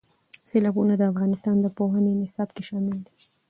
سیلابونه د افغانستان د پوهنې نصاب کې شامل دي.